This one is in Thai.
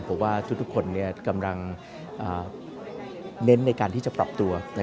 ผมว่าทุกคนกำลังเน้นในการที่จะปรับตัว